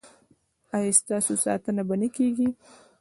ایا ستاسو ساتنه به نه کیږي؟